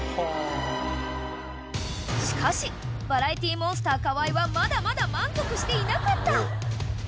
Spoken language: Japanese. ［しかしバラエティーモンスター河合はまだまだ満足していなかった］